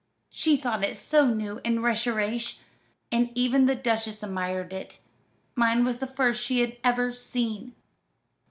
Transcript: She thought it so new and recherché, and even the Duchess admired it. Mine was the first she had ever seen."